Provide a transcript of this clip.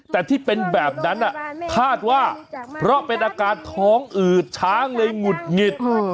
แต่ที่เป็นแบบนั้นคาดว่าเพราะเป็นอาการท้องอืดช้างเลยหงุดหงิด